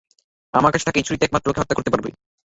আমার কাছে থাকা এই ছুরিটাই একমাত্র ওকে হত্যা করতে পারবে!